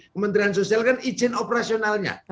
kementerian sosial kan izin operasionalnya